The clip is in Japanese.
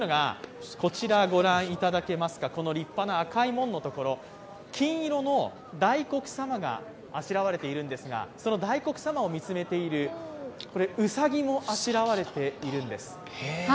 こちら、ご覧いただけますか、この立派な赤い門のところ、金色の大黒さまがあしらわれているんですが、その大黒さまを見つめているうさぎもあしらわれているんです。